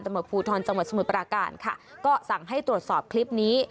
ตำรวจภูทรจังหวัดสมุทรปราการค่ะก็สั่งให้ตรวจสอบคลิปนี้